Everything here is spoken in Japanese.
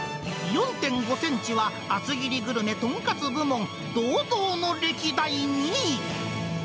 ４．５センチは、厚切りグルメ豚カツ部門堂々の歴代２位。